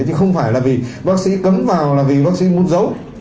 chứ không phải là vì bác sĩ cấm vào là vì bác sĩ muốn giấu